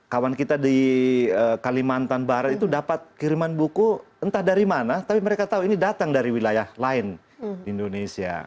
kawan kita di kalimantan barat itu dapat kiriman buku entah dari mana tapi mereka tahu ini datang dari wilayah lain di indonesia